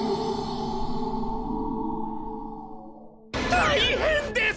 大変です！